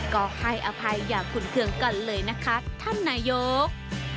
ก็ให้อภัยอย่างขุนเครื่องกันเลยนะคะท่านนายก